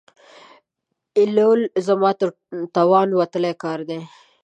ایېلول زما تر توان وتلی کار دی.